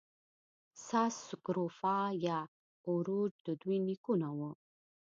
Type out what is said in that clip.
ساس سکروفا یا اوروچ د دوی نیکونه وو.